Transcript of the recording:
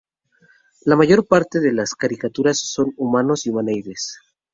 La mayor parte de las criaturas son humanos y y humanoides.